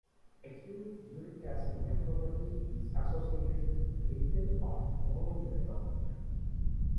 Acute uric acid nephropathy is associated with little or no urine output.